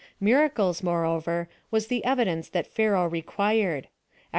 Miracles, moreover, was the ev dence that Pharaoh required Ex.